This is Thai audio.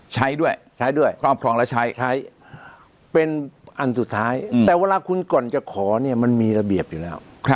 ใช้ด้วยใช้ด้วยครอบครองแล้วใช้ใช้เป็นอันสุดท้ายแต่เวลาคุณก่อนจะขอเนี่ยมันมีระเบียบอยู่แล้ว